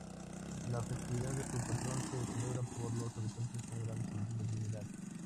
La festividad de su patrón se celebra por los habitantes con gran solemnidad.